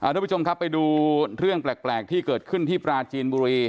ทุกผู้ชมครับไปดูเรื่องแปลกที่เกิดขึ้นที่ปราจีนบุรี